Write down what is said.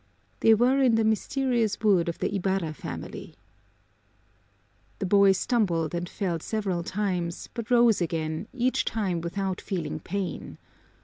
They were in the mysterious wood of the Ibarra family. The boy stumbled and fell several times, but rose again, each time without feeling pain.